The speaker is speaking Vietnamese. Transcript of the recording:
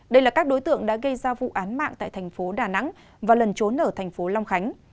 đây là các đối tượng đã gây ra vụ án mạng tại thành phố đà nẵng và lần trốn ở thành phố long khánh